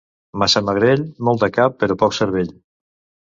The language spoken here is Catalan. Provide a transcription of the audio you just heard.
Massamagrell, molt de cap, però poc cervell.